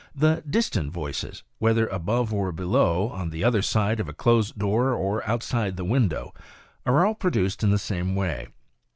"* The distant voices, whether above or below, on the other side of a closed door or outside the window, are all produced in the same way.